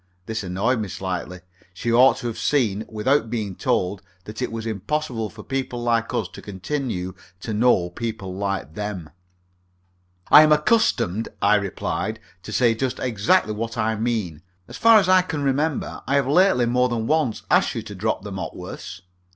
This annoyed me slightly. She ought to have seen, without being told, that it was impossible for people like us to continue to know people like them. "I am accustomed," I replied, "to say just exactly what I mean. As far as I can remember, I have lately more than once asked you to drop the Mopworths.